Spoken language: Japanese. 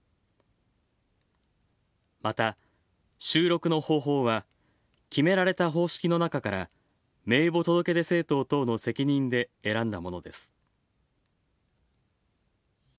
また、収録の方法は決められた方式の中から名簿届出政党等の責任で選んだものです。